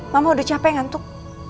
mama udah capek ngantuk